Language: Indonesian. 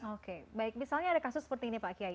oke misalnya ada kasus seperti ini pak kyai